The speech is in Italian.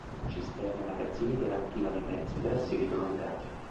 Cisterne e magazzini garantivano i mezzi per assedi prolungati.